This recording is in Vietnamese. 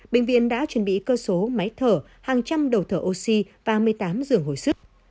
bệnh viện đã chuẩn bị cơ số máy thở hàng trăm đầu thở oxy và một mươi tám giường hồi sức